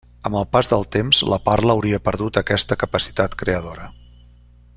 Amb el pas del temps, la parla hauria perdut aquesta capacitat creadora.